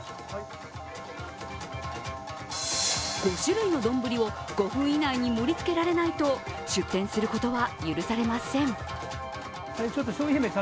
５種類の丼を５分以内に盛りつけられないと出店することは許されません。